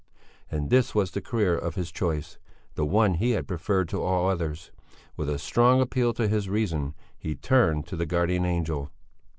And this was the career of his choice, the one he had preferred to all others. With a strong appeal to his reason, he turned to the guardian angel.